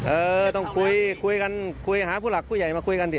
เออต้องคุยคุยกันคุยหาผู้หลักผู้ใหญ่มาคุยกันสิ